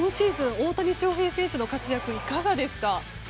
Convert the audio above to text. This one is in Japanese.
大谷翔平選手の活躍はいかがですか。